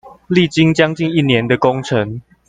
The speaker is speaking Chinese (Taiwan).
歷經將近一年的工程